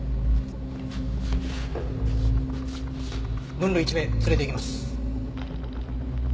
分類１名連れて行きます。